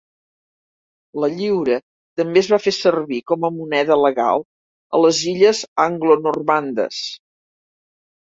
La lliura també es va fer servir com a moneda legal a les illes Anglonormandes.